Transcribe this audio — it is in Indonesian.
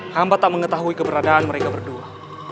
hamba tak mengetahui keberadaan mereka berdua